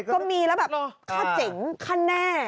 ก็มีแล้วแบบค่าเจ๋งค่าแน่